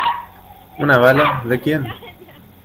¿ una bala, de quién?